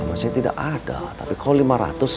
masih tidak ada tapi kalo lima ratus